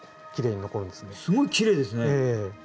すごいきれいですね。